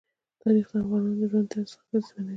تاریخ د افغانانو د ژوند طرز اغېزمنوي.